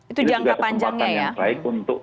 itu juga kesempatan yang baik untuk